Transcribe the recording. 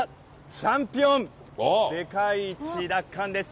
チャンピオン、世界一奪還です。